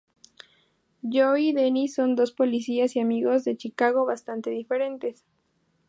Joey y Denny son dos policías y amigos de Chicago bastante diferentes.